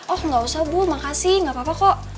oh nggak usah bu makasih gak apa apa kok